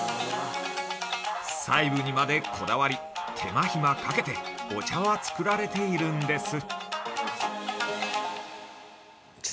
◆細部にまでこだわり、手間ひまをかけてお茶は作られているんです。